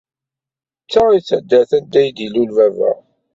D ta i d taddart anda i d-ilul baba.